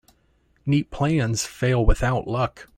Neat plans fail without luck.